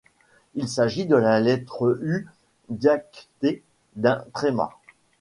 Il s’agit de la lettre Ʋ diacritée d’un tréma.